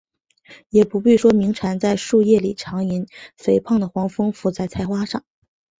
也不必说鸣蝉在树叶里长吟，肥胖的黄蜂伏在菜花上